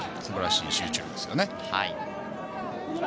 素晴らしい集中力ですね。